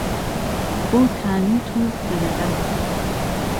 بهو تانووت و حونەره